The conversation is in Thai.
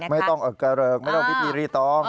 ไม่ต้องกระเริกไม่ต้องพิธีรีตอง